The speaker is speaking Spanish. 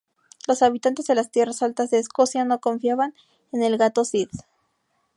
Los habitantes de las tierras altas de Escocia no confiaban en el gato sith.